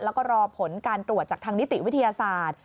แล้วก็รอผลการตรวจจากทางนิติวิทยาศาสตร์